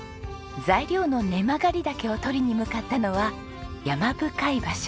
材料のネマガリダケを採りに向かったのは山深い場所。